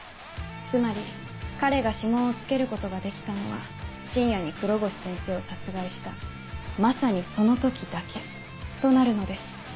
つまり彼が指紋をつけることができたのは深夜に黒越先生を殺害したまさにその時だけとなるのです。